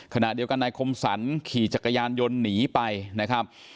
ขณะเดียวกันนายคมสรรขี่จักรยานยนต์หนีไปนะครับ